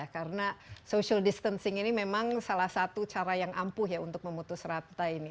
karena social distancing ini memang salah satu cara yang ampuh ya untuk memutus rata ini